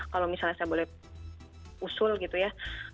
kalau misalnya saya boleh usul gitu ya